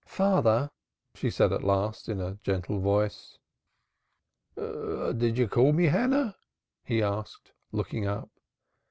"Father," she said at last, in a gentle voice. "Did you call me, Hannah?" he asked, looking up.